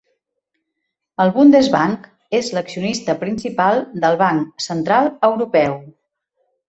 El Bundesbank és l'accionista principal del Banc Central Europeu.